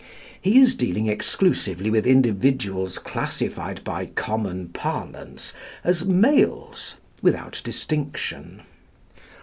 He is dealing exclusively with individuals classified by common parlance as males without distinction.